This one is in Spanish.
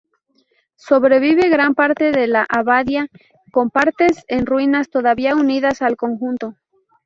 Sobrevive gran parte de la abadía, con partes en ruinas todavía unidas al conjunto.